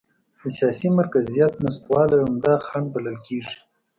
د سیاسي مرکزیت نشتوالی عمده خنډ بلل کېږي.